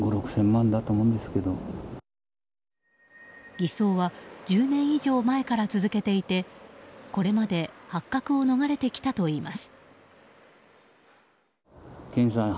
偽装は１０年以上前から続けていてこれまで発覚を逃れてきたといいます。